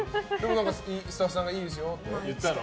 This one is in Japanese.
スタッフさんがいいですよって？